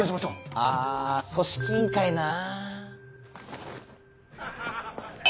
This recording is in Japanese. あ組織委員会なあ。